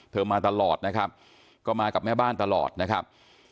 มาตลอดนะครับก็มากับแม่บ้านตลอดนะครับ